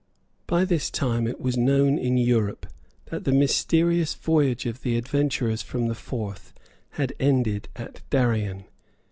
By this time it was known in Europe that the mysterious voyage of the adventurers from the Forth had ended at Darien.